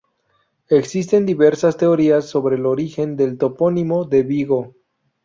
Existen diversas teorías sobre el origen del topónimo de Vigo.